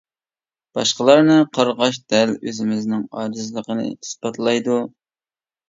باشقىلارنى قارغاش دەل ئۆزىمىزنىڭ ئاجىزلىقىنى ئىسپاتلايدۇ.